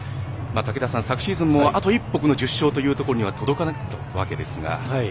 武田さん、昨シーズンもあと１歩１０勝というところには届かなかったわけですが。